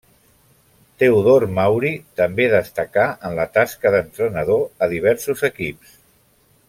Teodor Mauri també destacà en la tasca d'entrenador a diversos equips.